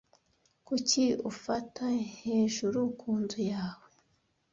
Kuki I ufate hejuru ku nzu yawe ?